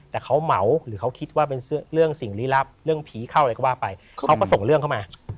แต่เขาเหมาหรือเขาคิดว่าเป็นเรื่องสิ่งลี้ลับเรื่องผีเข้าอะไรก็ว่าไปเขาก็ส่งเรื่องเข้ามา